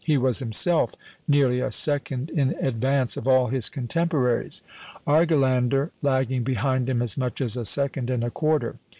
He was himself nearly a second in advance of all his contemporaries, Argelander lagging behind him as much as a second and a quarter.